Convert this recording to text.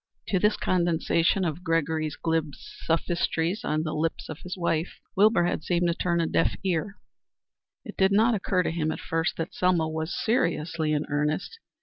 To this condensation of Gregory's glib sophistries on the lips of his wife, Wilbur had seemed to turn a deaf ear. It did not occur to him, at first, that Selma was seriously in earnest.